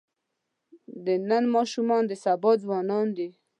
د نن ماشومان د سبا ځوانان دي.